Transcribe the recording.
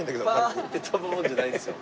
パーッて飛ぶもんじゃないんですよ。